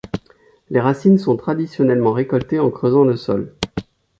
Les racines sont traditionnellement récoltées en creusant le sol.